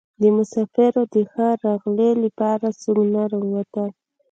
د مسافرو د ښه راغلي لپاره څوک نه راوتل.